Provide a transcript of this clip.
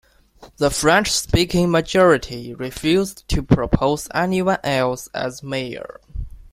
The French-speaking majority refused to propose anyone else as mayor.